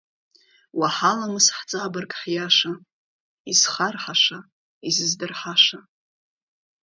Уа, ҳаламыс, ҳҵабырг ҳиаша Изхарҳаша, изыздырҳаша.